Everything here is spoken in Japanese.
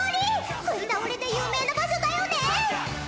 食い倒れで有名な場所だよね。